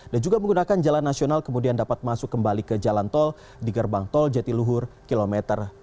dan juga menggunakan jalan nasional kemudian dapat masuk kembali ke jalan tol di gerbang tol jatiluhur km delapan puluh empat